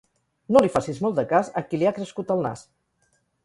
No li facis molt de cas a qui li ha crescut el nas.